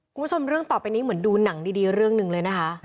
เรื่องต่อไปนี้เหมือนดูหนังดีเรื่องหนึ่งเลยนะคะ